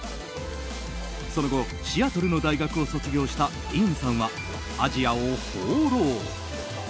その後、シアトルの大学を卒業したディーンさんはアジアを放浪。